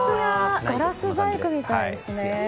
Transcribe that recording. ガラス細工みたいですね。